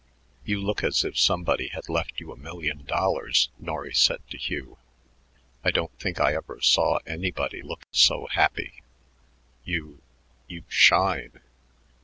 "You look as if somebody had left you a million dollars," Norry said to Hugh. "I don't think I ever saw anybody look so happy. You you shine."